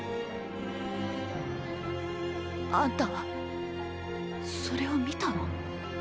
あんたはそれを見たの？